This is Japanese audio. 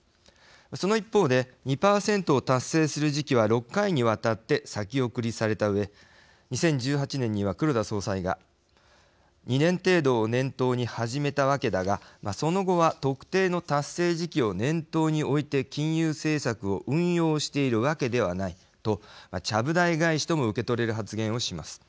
その一方で２％を達成する時期は６回にわたって先送りされたうえ２０１８年には、黒田総裁が２年程度を念頭に始めたわけだがその後は特定の達成時期を念頭に置いて金融政策を運用しているわけではないと、ちゃぶ台返しとも受け取れる発言をします。